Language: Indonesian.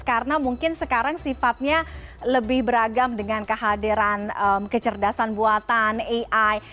karena mungkin sekarang sifatnya lebih beragam dengan kehadiran kecerdasan buatan ai